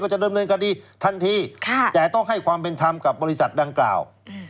จะดำเนินคดีทันทีแต่ต้องให้ความเป็นธรรมกับบริษัทดังกล่าว